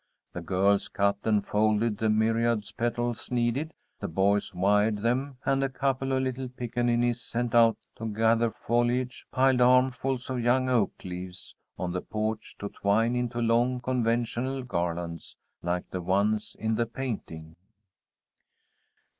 The girls cut and folded the myriad petals needed, the boys wired them, and a couple of little pickaninnies sent out to gather foliage, piled armfuls of young oak leaves on the porch to twine into long conventional garlands, like the ones in the painting.